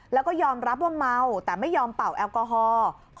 แล้วก็ยอมรับว่าเมาแต่ไม่ยอมเป่าแอลกอฮอล์